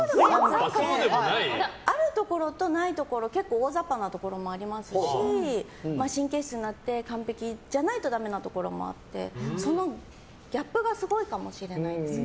あるところとないところ結構大雑把なところもありますし神経質になって完璧じゃないとダメなところもあってそのギャップがすごいかもしれないですね。